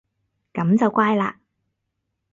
噉就乖嘞